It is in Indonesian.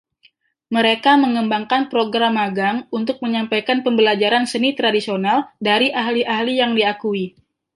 Mereka mengembangkan program magang untuk menyampaikan pembelajaran seni tradisional dari ahli-ahli yang diakui.